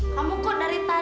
hampir seratus juta